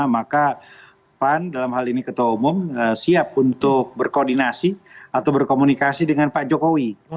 maka pan dalam hal ini ketua umum siap untuk berkoordinasi atau berkomunikasi dengan pak jokowi